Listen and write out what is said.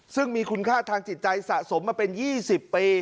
ซึ่งมีคุณค่าทางจิตใจสะสมมาเป็น๒๐ปี